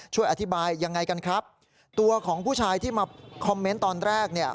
ช่วยอธิบายยังไงกันครับตัวของผู้ชายที่มาคอมเมนต์ตอนแรกเนี่ย